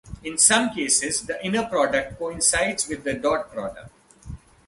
In some cases, the inner product coincides with the dot product.